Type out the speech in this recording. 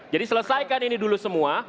jadi selesaikan ini dulu semua